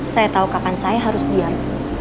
saya tahu kapan saya harus diam